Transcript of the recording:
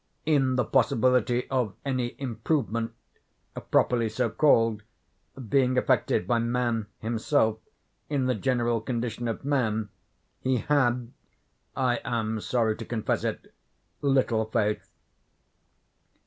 In the possibility of any improvement, properly so called, being effected by man himself in the general condition of man, he had (I am sorry to confess it) little faith.